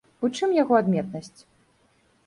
У чым яго адметнасць?